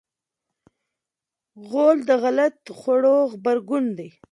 غول د غلط خوړو غبرګون دی.